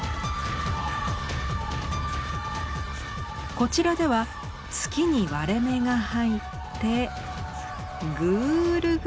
こちらでは月に割れ目が入ってぐるぐる。